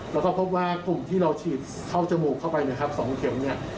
แล้วก็พบว่ากลุ่มที่เราฉีดเข้าจมูกเข้าไปนะครับ๒เข็มเนี่ย